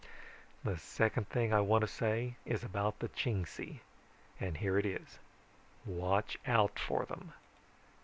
"The second thing I want to say is about the Chingsi, and here it is: watch out for them.